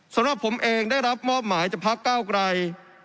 สำหรับผมเองได้รับมอบหมายจากพักเก้าไกร